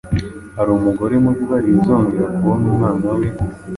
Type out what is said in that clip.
hari umugore muri bariya uzongera kubona umwana we,